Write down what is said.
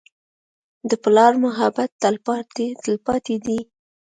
د پلار محبت تلپاتې دی.